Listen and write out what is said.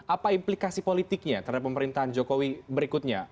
apa implikasi politiknya terhadap pemerintahan jokowi berikutnya